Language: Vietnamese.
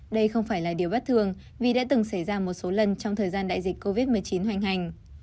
đây không phải là điều bất thường vì đã từng xảy ra một số lần trong thời gian đại dịch covid một mươi chín hoành hành